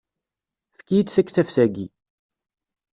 Efk-iyi-d taktabt-agi.